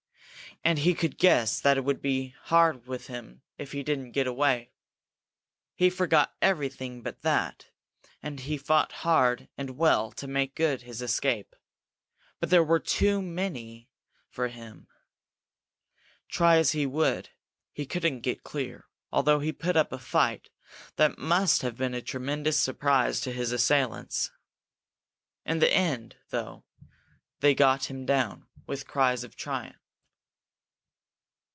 And he could guess that it would go hard with him if he didn't get away. He forgot everything but that, and he fought hard and well to make good his escape. But they were too many for him. Try as he would, he couldn't get clear, although he put up a fight that must have been a tremendous surprise to his assailants. In the end, though, they got him down, with cries of triumph.